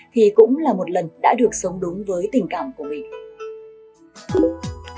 thì cũng là một lần đã được sống đúng với tình cảm của mình